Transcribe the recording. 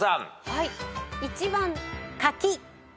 はい。